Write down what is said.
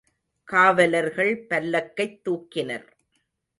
காவலர்கள் பல்லக்கைத் துக்கினர்.